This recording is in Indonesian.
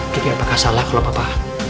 jadi apakah salah kalau papa